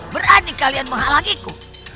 berani kalian menghalangiku